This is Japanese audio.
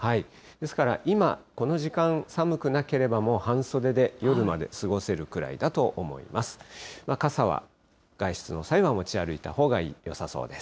ですから今この時間寒くなければ、もう半袖で夜まで過ごせるくらいだと思います。